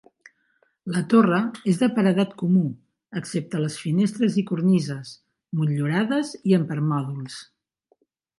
La torre és de paredat comú, excepte les finestres i cornises, motllurades i amb permòdols.